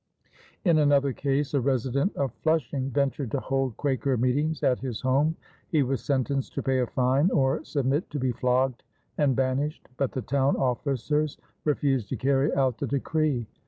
In another case, a resident of Flushing ventured to hold Quaker meetings at his home. He was sentenced to pay a fine or submit to be flogged and banished; but the town officers refused to carry out the decree.